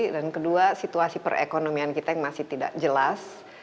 dan kedua situasi perekonomian kita yang masih tidak jelas